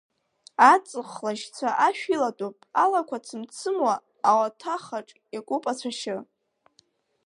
Аҵых лашьца ашә илатәоуп, алақәа цымцымуа, ауаҭахаҿ иакуп ацәашьы.